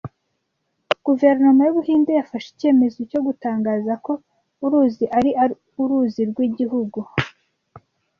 Guverinoma y'Ubuhinde yafashe icyemezo cyo gutangaza ko uruzi ari 'Uruzi rw'igihugu'